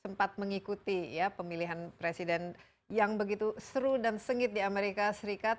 sempat mengikuti pemilihan presiden yang begitu seru dan sengit di amerika serikat